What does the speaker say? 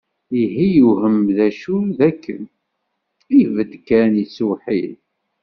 Ihi yewhem d acu d akken, ibedd kan yettweḥḥid.